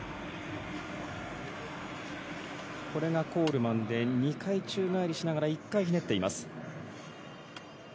コールマンで２回宙返りしながら１回ひねっています。